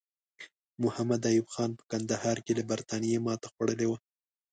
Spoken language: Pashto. محمد ایوب خان په کندهار کې له برټانیې ماته خوړلې وه.